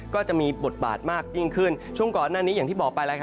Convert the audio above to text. ก็จะมีบทบาทมากยิ่งขึ้นช่วงก่อนหน้านี้อย่างที่บอกไปแล้ว